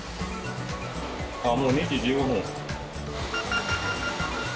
あっもう２時１５分。